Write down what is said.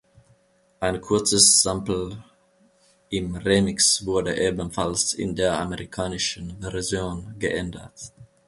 Ein kurzes Sample im Remix wurde ebenfalls in der amerikanischen Version geändert.